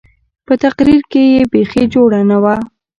په تقرير کښې يې بيخي جوړه نه وه.